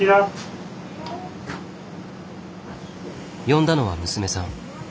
呼んだのは娘さん。